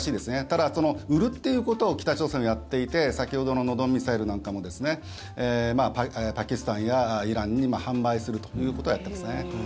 ただ、売るっていうことを北朝鮮はやっていて先ほどのノドンミサイルなんかもパキスタンやイランに販売するということはやっていますね。